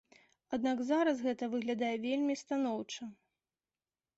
Аднак зараз гэта выглядае вельмі станоўча.